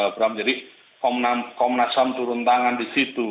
berarti komnas ham turun tangan di situ